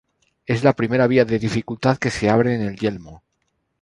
Es la primera vía de dificultad que se abre en el Yelmo.